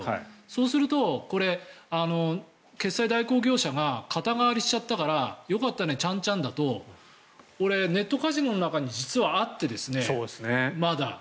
そうすると、これ決済代行業者が肩代わりしちゃったからよかったね、ちゃんちゃんだとこれ、ネットカジノの中に実はあって、まだ。